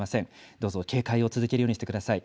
どうぞ警戒を続けるようにしてください。